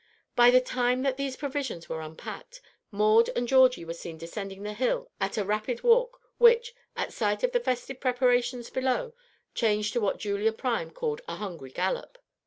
By the time that these provisions were unpacked, Maud and Georgie were seen descending the hill at a rapid walk, which, at sight of the festive preparations below, changed to what Julia Prime called "a hungry gallop."